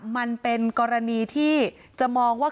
มันเป็นกรณีที่จะมองว่า